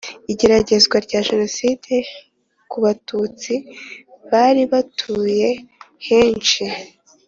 Igeragezwa rya Jenoside ku batutsi bari batuye henshi